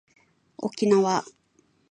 沖縄